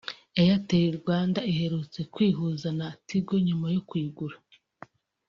Airtel Rwanda iherutse kwihuza na Tigo nyuma yo kuyigura